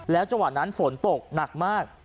จังหวะนั้นฝนตกหนักมาก